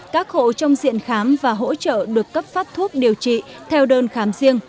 các hộ trong diện khám và hỗ trợ được cấp phát thuốc điều trị theo đơn khám riêng